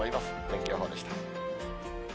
天気予報でした。